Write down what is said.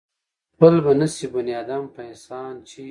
خپل به نشي بنيادم پۀ احسان چرې